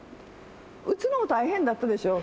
打つのも大変だったでしょ。